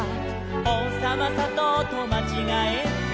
「おうさまさとうとまちがえて」